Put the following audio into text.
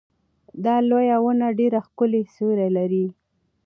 دا لویه ونه ډېر ښکلی سیوری لري.